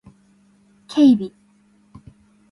警備